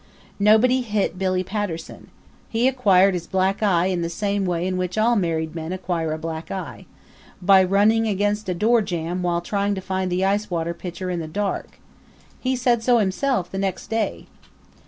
Nobody hit Billy Patterson. He acquired his black eye in the same way in which all married men acquire a black eye by running against a doorjamb while trying to find the ice water pitcher in the dark. He said so himself the next day.